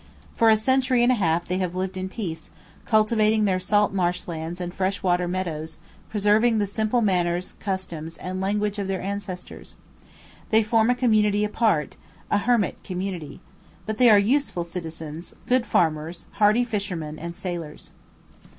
For a century and a half they have lived in peace, cultivating their salt marsh lands and fresh water meadows, preserving the simple manners, customs, and language of their ancestors. They form a community apart, a hermit community. But they are useful citizens, good farmers, hardy fishermen and sailors.